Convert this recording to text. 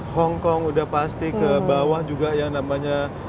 hongkong udah pasti ke bawah juga yang namanya